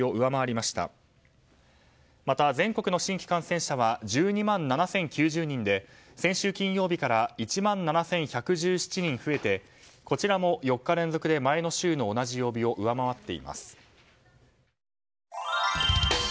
また、全国の新規感染者は１２万７０９０人で先週金曜日から１万７１１７人増えてこちらも４日連続で、前の週の同じ曜日を上回っています。